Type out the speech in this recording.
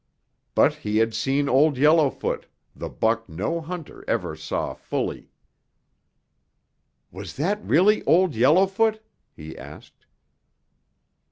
But he had seen Old Yellowfoot, the buck no hunter ever saw fully. "Was that really Old Yellowfoot?" he asked.